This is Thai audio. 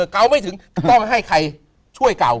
เก่าไม่ถึงต้องให้ใครช่วยเก่า